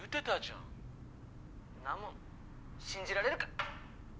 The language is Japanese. んなもん信じられるか！